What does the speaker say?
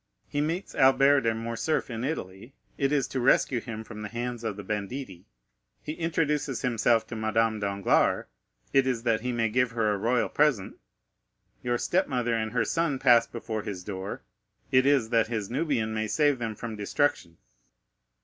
He meets Albert de Morcerf in Italy—it is to rescue him from the hands of the banditti; he introduces himself to Madame Danglars—it is that he may give her a royal present; your step mother and her son pass before his door—it is that his Nubian may save them from destruction.